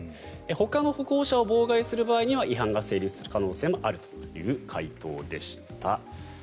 ほかの歩行者を妨害する場合には違反が成立する可能性もあるという回答でした。